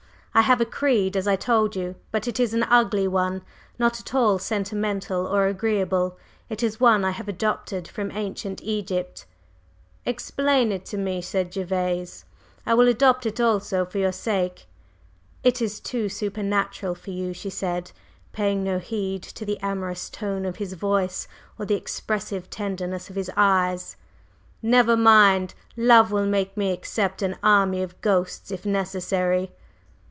I have a creed as I told you, but it is an ugly one not at all sentimental or agreeable. It is one I have adopted from ancient Egypt." "Explain it to me," said Gervase; "I will adopt it also, for your sake." "It is too supernatural for you," she said, paying no heed to the amorous tone of his voice or the expressive tenderness of his eyes. "Never mind! Love will make me accept an army of ghosts, if necessary."